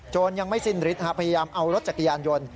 ยังไม่สิ้นฤทธิ์พยายามเอารถจักรยานยนต์